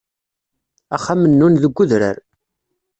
Axxam-nnun deg udrar.